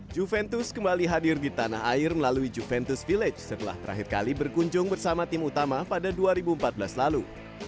juventus kembali hadir di tanah air melalui juventus village setelah terakhir kali berkunjung bersama tim utama pada dua ribu empat belas lalu